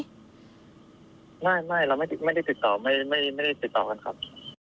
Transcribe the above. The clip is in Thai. ไม่เราไม่ได้ติดต่อกันครับ